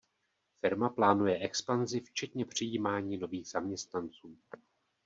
Firma plánuje expanzi včetně přijímání nových zaměstnanců.